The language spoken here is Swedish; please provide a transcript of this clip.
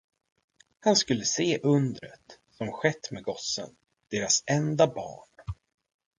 Han skulle se undret, som skett med gossen, deras enda barn.